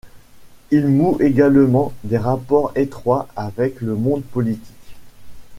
Il noue également des rapports étroits avec le monde politique.